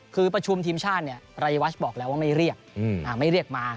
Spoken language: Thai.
คือประชุมทีมชาติรายวัชบอกแล้วว่าไม่เรียกไม่เรียกมา